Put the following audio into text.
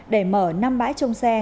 để mở năm bãi trông xe